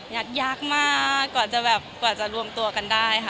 ยัดยากมากกว่าจะจัดร่วมตวกันได้ค่ะ